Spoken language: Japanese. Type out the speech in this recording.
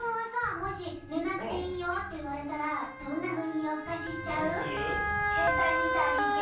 もし「ねなくていいよ」っていわれたらどんなふうによふかししちゃう？